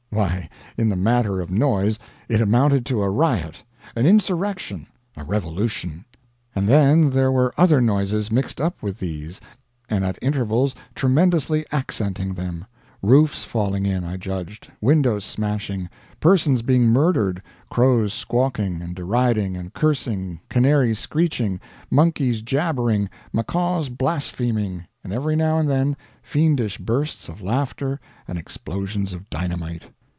Why, in the matter of noise it amounted to a riot, an insurrection, a revolution. And then there were other noises mixed up with these and at intervals tremendously accenting them roofs falling in, I judged, windows smashing, persons being murdered, crows squawking, and deriding, and cursing, canaries screeching, monkeys jabbering, macaws blaspheming, and every now and then fiendish bursts of laughter and explosions of dynamite.